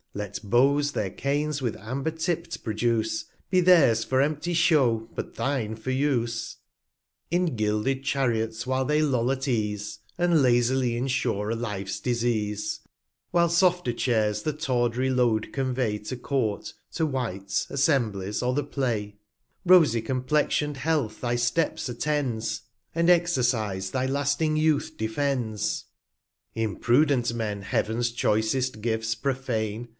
Let Beaus their Canes with Amber tipt produce, Be theirs for empty Show, but thine for Use. ' In gilded Chariots while they loll at Ease, And lazily insure a Life's Disease ; 70 While softer Chairs the tawdry Load convey To Court, to White^ Assemblies, or the Play; Rosie complexion'd Health thy Steps attends, And Exercise thy lasting Youth defends. * A Joseph, a Wraf Rascal^ &c. 6 <T R I r I A Imprudent Men Heav'ns choicest Gifts prophane.